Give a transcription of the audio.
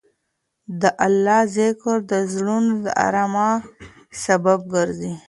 د الله ذکر د زړونو د ارامۍ سبب ګرځي.